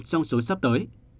trong số sắp tới